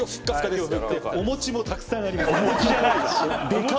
でかお餅もたくさんあります。